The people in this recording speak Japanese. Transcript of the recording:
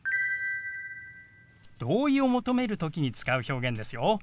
同意を求める時に使う表現ですよ。